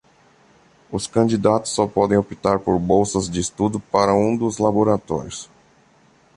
Os candidatos só podem optar por bolsas de estudo para um dos laboratórios.